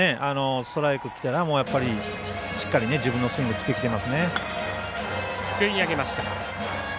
ストライクきたらしっかり自分のスイングしてきてますね。